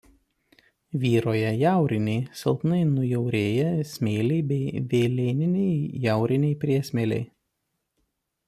Vyrauja jauriniai silpnai nujaurėję smėliai bei velėniniai jauriniai priesmėliai.